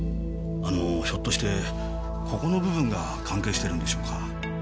あのひょっとしてここの部分が関係してるんでしょうか。